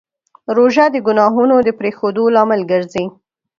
روژه د ګناهونو د پرېښودو لامل ګرځي.